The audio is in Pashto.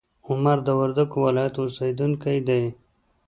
عمر د وردګو ولایت اوسیدونکی دی.